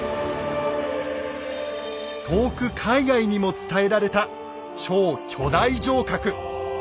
遠く海外にも伝えられた超巨大城郭。